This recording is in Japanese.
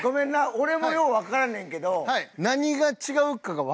俺もようわからんねんけど。